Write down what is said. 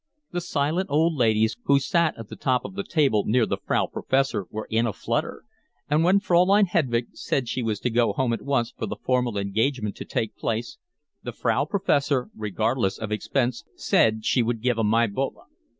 The silent old ladies who sat at the top of the table near the Frau Professor were in a flutter, and when Fraulein Hedwig said she was to go home at once for the formal engagement to take place, the Frau Professor, regardless of expense, said she would give a Maibowle.